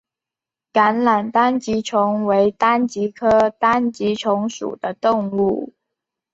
橄榄单极虫为单极科单极虫属的动物。